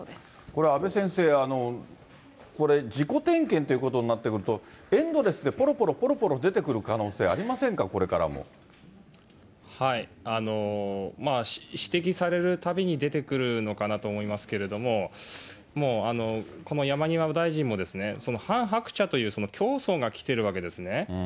これ、阿部先生、これ事故点検ということになってくると、エンドレスでぽろぽろぽろぽろ出てくる可能性ありませんか、これまあ、指摘されるたびに出てくるのかなと思いますけれども、もうこの山際大臣もですね、そのハン・ハクチャという教祖が来てるわけですね。